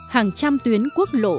hàng trăm tuyến quốc lộ